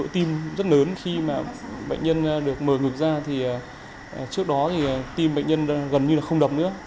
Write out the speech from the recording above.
tim bệnh nhân gần như không đập nữa